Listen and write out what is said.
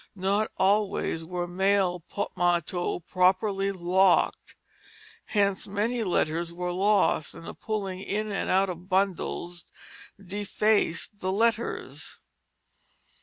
Not always were mail portmanteaux properly locked; hence many letters were lost and the pulling in and out of bundles defaced the letters.